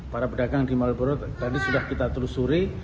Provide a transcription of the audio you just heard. para pedagang di malioboro tadi sudah kita telusuri